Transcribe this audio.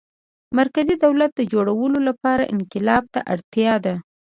مرکزي دولت د جوړولو لپاره انقلاب ته اړتیا ده.